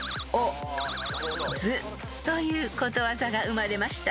［ということわざが生まれました］